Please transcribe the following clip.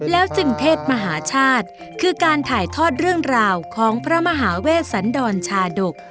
แล้วจึงเทศมหาชาติคือการถ่ายทอดเรื่องราวของพระมหาเวชสันดรชาดก